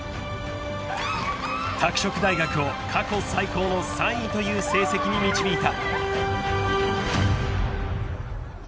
［拓殖大学を過去最高の３位という成績に導いた］